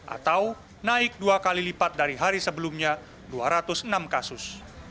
atau naik dua kali lipat dari hari sebelumnya dua ratus enam kasus